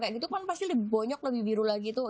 kayak gitu kan pasti lebih bonyok lebih biru lagi tuh